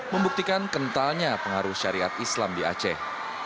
membuktikan kentalnya pengaruh syariat islam di aceh